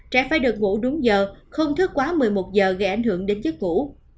trẻ phải được ngủ đúng giờ không thức quá một mươi một giờ gây ảnh hưởng đến chất cũ